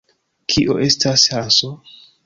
Kio estas Hanso?